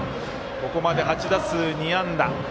ここまで８打数２安打。